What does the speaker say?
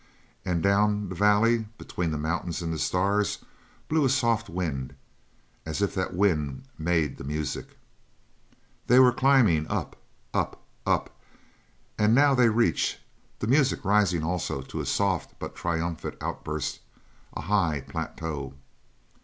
And down the valley, between the mountains and the stars, blew a soft wind; as if that wind made the music. They were climbing up, up, up, and now they reach the music rising also to a soft but triumphant outburst a high plateau.